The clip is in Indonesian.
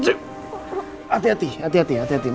aku mau tidur